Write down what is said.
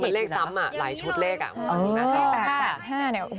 คือเหมือนเลขซ้ำอ่ะหลายชดเลขอ่ะ